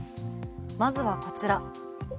まずはこちら。